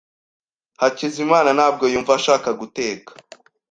Hakizimana ntabwo yumva ashaka guteka.